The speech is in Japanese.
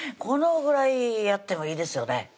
このぐらいやってもいいですよね